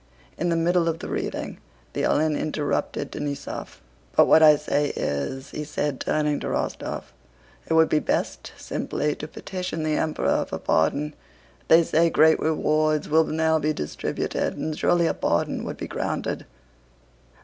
In the middle of the reading, the Uhlan interrupted Denísov. "But what I say is," he said, turning to Rostóv, "it would be best simply to petition the Emperor for pardon. They say great rewards will now be distributed, and surely a pardon would be granted...."